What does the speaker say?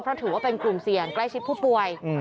เพราะเสียงใกล้ชิดผู้ป่วย